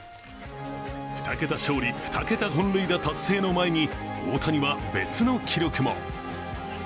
２桁勝利・２桁本塁打達成の前に大谷は別の記録も。